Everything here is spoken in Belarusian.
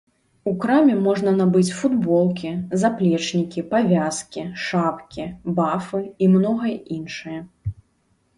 У краме можна набыць футболкі, заплечнікі, павязкі, шапкі, бафы і многае іншае.